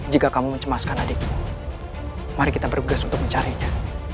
jika kamu mencemaskan adikmu mari kita bergegas untuk mencarinya